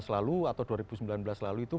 lalu atau dua ribu sembilan belas lalu itu